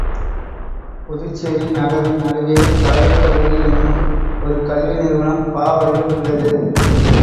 புதுச்சேரி நகரின் நடுவே கலவைக் கல்லூரி என்னும் ஒரு கல்வி நிறுவனம் ப வடிவில் உள்ளது.